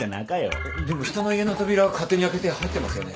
でも人の家の扉を勝手に開けて入ってますよね。